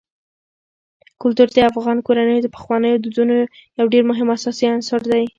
کلتور د افغان کورنیو د پخوانیو دودونو یو ډېر مهم او اساسي عنصر دی.